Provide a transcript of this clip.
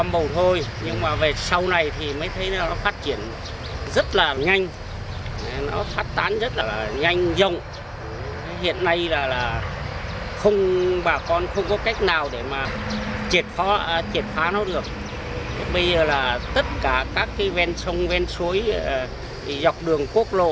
bây giờ là tất cả các cây ven sông ven suối dọc đường quốc lộ